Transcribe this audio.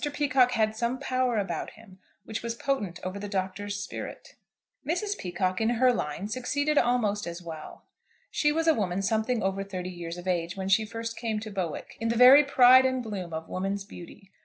Peacocke had some power about him which was potent over the Doctor's spirit. Mrs. Peacocke, in her line, succeeded almost as well. She was a woman something over thirty years of age when she first came to Bowick, in the very pride and bloom of woman's beauty.